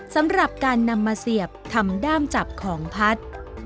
สำหรับการนำมาเสียบทำด้ามจับของพัด